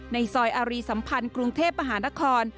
ในซอยอารีสัมพันธ์กรุงเทพมหานคร